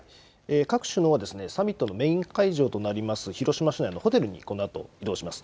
各首脳はサミットのメイン会場となります広島市内のホテルにこのあと移動します。